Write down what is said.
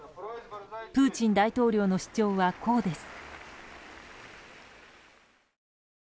プーチン大統領の主張はこうです。